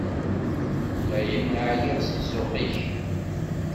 Dayen, εyiɣ si zzux-ik.